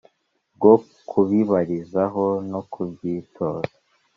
bwo kubibaririza no kubyitoza.